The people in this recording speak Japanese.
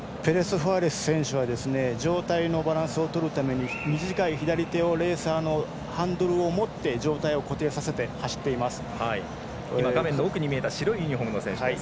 フアレス選手は上体のバランスをとるために短い左手でレーサーのハンドルを持って上体を固定させて走っています。